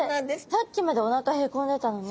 さっきまでおなかへこんでたのに。